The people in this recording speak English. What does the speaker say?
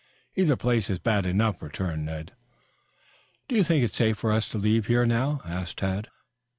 "Either place is bad enough," returned Ned. "Do you think it safe for us to leave here now?" asked Tad.